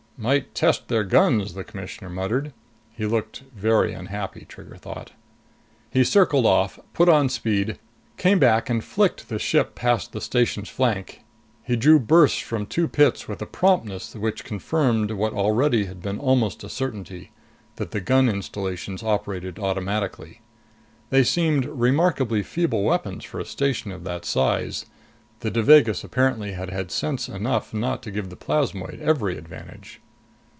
"Might test their guns," the Commissioner muttered. He looked very unhappy, Trigger thought. He circled off, put on speed, came back and flicked the ship past the station's flank. He drew bursts from two pits with a promptness which confirmed what already had been almost a certainty that the gun installations operated automatically. They seemed remarkably feeble weapons for a station of that size. The Devagas apparently had had sense enough not to give the plasmoid every advantage.